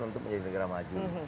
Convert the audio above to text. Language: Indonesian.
untuk menjadi negara maju